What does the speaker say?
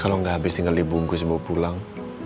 kalau gak habis tinggal dibungkus bawa pulang